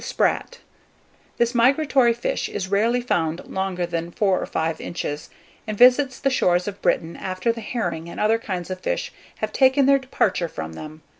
[Illustration: THE SPRAT.] THE SPRAT. This migratory fish, is rarely found longer than four or five inches, and visits the shores of Britain after the herring and other kinds of fish have taken their departure from them.